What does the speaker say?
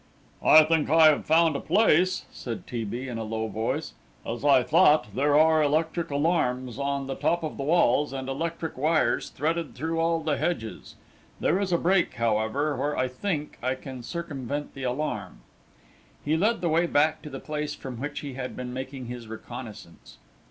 "I think I have found a place," said T. B., in a low voice. "As I thought, there are electric alarms on the top of the walls, and electric wires threaded through all the hedges. There is a break, however, where, I think, I can circumvent the alarm." He led the way back to the place from which he had been making his reconnaissance.